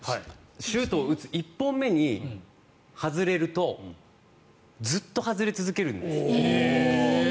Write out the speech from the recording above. シュートを打つ１本目に外れるとずっと外れ続けるんです。